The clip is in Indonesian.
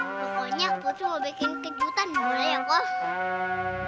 pokoknya putri mau bikin kejutan boleh ya kok